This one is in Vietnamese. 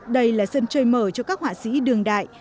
đây là sân chơi mở cho các họa sĩ đường đại